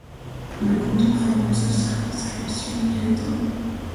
Le canton forme une seule circonscription électorale.